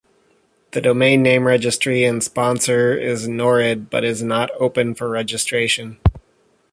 The domain name registry and sponsor is Norid, but is not open for registration.